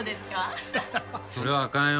それはあかんよ。